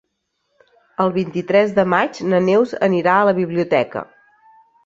El vint-i-tres de maig na Neus anirà a la biblioteca.